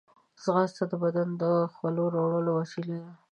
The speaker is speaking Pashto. ځغاسته د بدن د خولو راوړلو وسیله ده